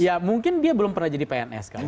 ya mungkin dia belum pernah jadi pns kan